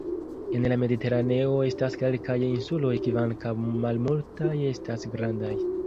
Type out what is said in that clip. En la Mediteraneo estas kelkaj insuloj kvankam malmultaj estas grandaj.